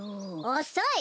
おそい！